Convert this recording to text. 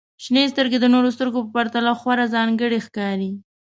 • شنې سترګې د نورو سترګو په پرتله خورا ځانګړې ښکاري.